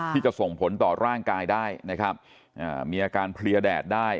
ที่จะส่งผลต่อร่างกายได้นะครับอ่ามีอาการเพลียแดดได้